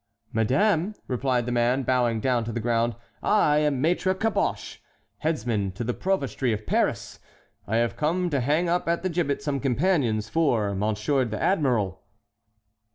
"Madame," replied the man, bowing down to the ground, "I am Maître Caboche, headsman to the provostry of Paris, and I have come to hang up at the gibbet some companions for Monsieur the Admiral."